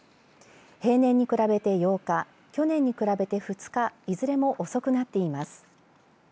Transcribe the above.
平年に比べて８日去年に比べて２日いずれも遅くなっています。